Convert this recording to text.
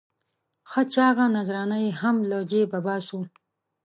ښه چاغه نذرانه یې هم له جېبه باسو.